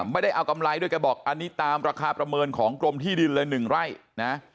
ไม่ได้เอากำไรด้วยแกบอกอันนี้ตามราคาประเมินของกรมที่ดินเลย๑ไร่นะ